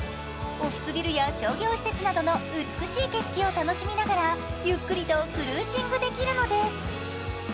オフィスビルや商業施設などの美しい景色を楽しみながらゆっくりとクルージングできるのです。